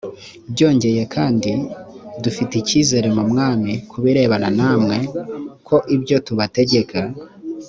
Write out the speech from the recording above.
byongeye kandi dufite icyizere mu mwami ku birebana namwe ko ibyo tubategeka